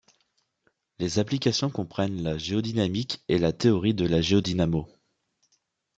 Les applications comprennent la géodynamique et la théorie de la géodynamo.